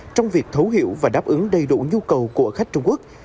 trong việc thấu hiểu và đáp ứng đầy đủ nhu cầu của khách trung quốc